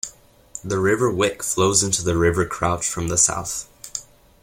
The River Wick flows into the River Crouch from the south.